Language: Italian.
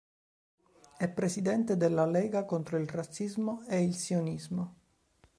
È presidente della "Lega contro il razzismo e il sionismo"-